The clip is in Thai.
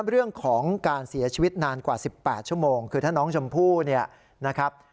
เรื่องของการเสียชีวิตนานกว่า๑๘ชั่วโมงคือถ้าน้องชมพู่เนี่ยนะครับ